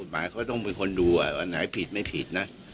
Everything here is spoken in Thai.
ผลเอกประวิทย์เขาต้องเป็นคนดูอันไหนผิดไม่ผิดนะ